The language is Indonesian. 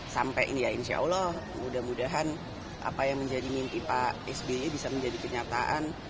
sampai ini ya insya allah mudah mudahan apa yang menjadi mimpi pak sby bisa menjadi kenyataan